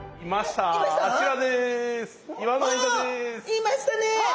いましたね。